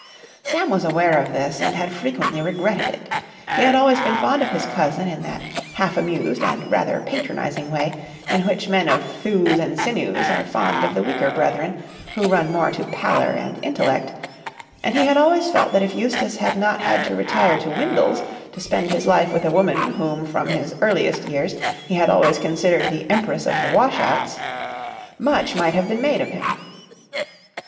Sam was aware of this, and had frequently regretted it. He had always been fond of his cousin in that half amused and rather patronising way in which men of thews and sinews are fond of the weaker brethren who run more to pallor and intellect; and he had always felt that if Eustace had not had to retire to Windles to spend his life with a woman whom from his earliest years he had always considered the Empress of the Washouts, much might have been made of him.